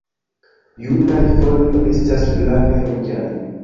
Junaj folio estas flave ruĝaj.